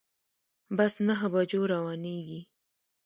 بس نهه بجو روانیږي